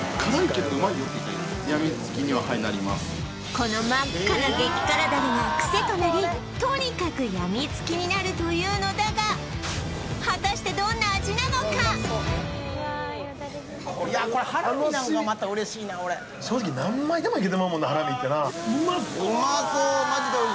この真っ赤な激辛ダレがクセとなりとにかくやみつきになるというのだが果たしてハラミなのがまた嬉しいな楽しみ正直何枚でもいけてまうもんなハラミってなでも辛そう